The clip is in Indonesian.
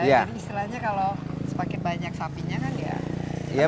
jadi istilahnya kalau sepakat banyak sapinya kan ya